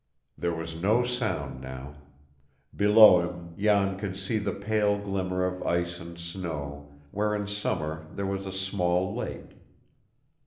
There was no sound now. Below him, Jan could see the pale glimmer of ice and snow, where in summer there was a small lake.